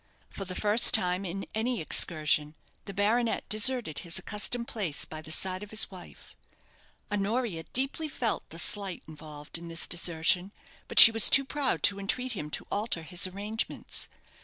For the first time in any excursion, the baronet deserted his accustomed place by the side of his wife. Honoria deeply felt the slight involved in this desertion; but she was too proud to entreat him to alter his arrangements.